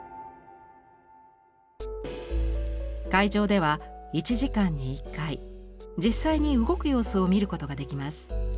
会場では１時間に１回実際に動く様子を見ることができます。